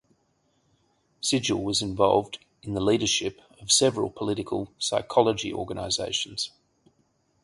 Sigel was involved in the leadership of several political psychology organizations.